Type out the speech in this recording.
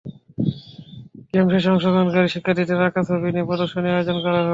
Camp শেষে অংশগ্রহণকারী শিক্ষার্থীদের আঁকা ছবি নিয়ে প্রদর্শনীর আয়োজন করা হয়।